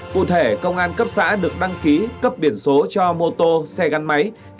cụ thể công an cấp xã được đăng ký cấp biển số cho mô tô xe gắn máy